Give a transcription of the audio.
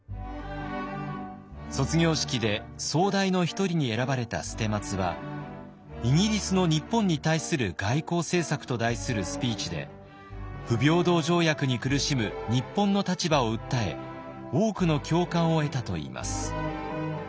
卒業式で総代の一人に選ばれた捨松は「イギリスの日本に対する外交政策」と題するスピーチで不平等条約に苦しむ日本の立場を訴え多くの共感を得たといいます。